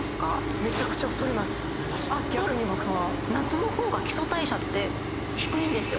逆に僕は。